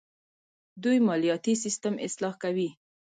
دوی مالیاتي سیستم اصلاح کوي.